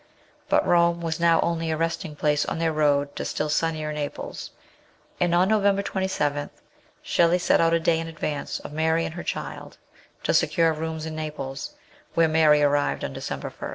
But Rome was now only a resting place on their road to still sunnier Naples ; and on Novem ber 27 Shelley set out a day in advance of Mary and her child to secure rooms in Naples, where Mary arrived on December 1.